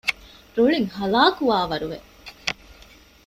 ރުޅިން ހަލާކުވާވަރު ވެ